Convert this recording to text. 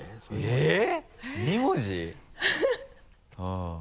えっ？